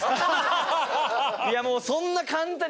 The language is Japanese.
いやもうそんな簡単に。